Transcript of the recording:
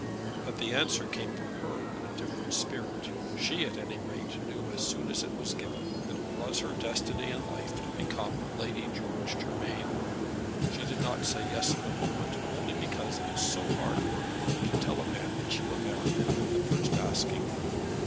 But the answer came from her in a different spirit. She at any rate knew as soon as it was given that it was her destiny in life to become Lady George Germain. She did not say "Yes" at the moment, only because it is so hard for a girl to tell a man that she will marry him at the first asking!